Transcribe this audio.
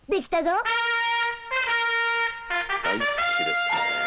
大好きでしたね！